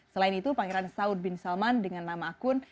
selain itu pangeran saud bin salman dengan nama akun